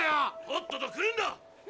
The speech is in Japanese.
⁉とっとと来るんだ！